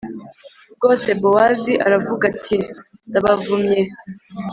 rwose Bowazi aravuga ati ndabavumye